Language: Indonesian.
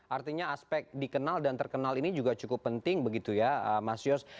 artinya aspek dikenal dan terkenal ini juga cukup penting begitu ya mas yos